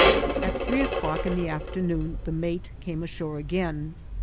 At three o'clock in the afternoon the mate came ashore again.